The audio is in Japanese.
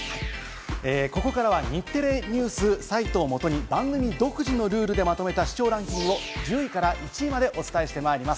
ここからは、日テレＮＥＷＳサイトをもとに、番組独自のルールでまとめた視聴ランキングを１０位から１位までお伝えしてまいります。